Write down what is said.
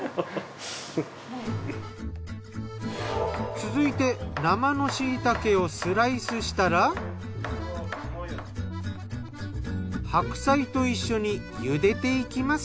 続いて生の椎茸をスライスしたら白菜と一緒に茹でていきます。